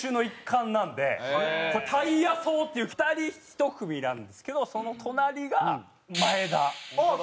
これタイヤ走っていう２人１組なんですけどその隣が前田。